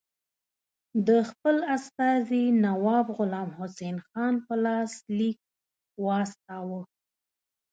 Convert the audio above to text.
د خپل استازي نواب غلام حسین خان په لاس لیک واستاوه.